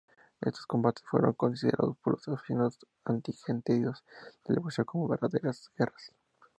Estos combates fueron considerados por los aficionados y entendidos del boxeo como verdaderas guerras.